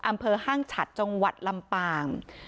อำเภอห้างฉัดจรวรรค์ลำปาง